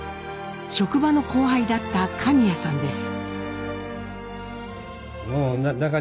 職場の後輩だった神谷さんです。